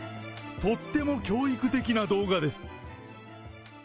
とっても教育的な動画です。